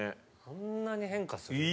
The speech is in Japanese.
「こんなに変化する」